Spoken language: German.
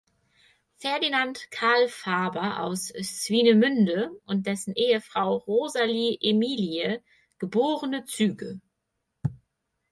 Ferdinand Karl Faber aus Swinemünde und dessen Ehefrau Rosalie Emilie geborene Züge.